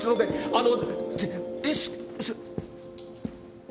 あの。